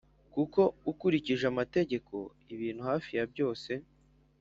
Kuko ukurikije amategeko ibintu hafi ya byose